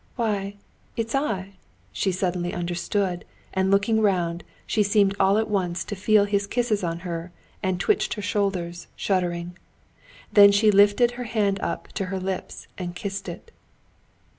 "Why, it's I!" she suddenly understood, and looking round, she seemed all at once to feel his kisses on her, and twitched her shoulders, shuddering. Then she lifted her hand to her lips and kissed it.